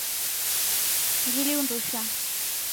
Ngili undusha.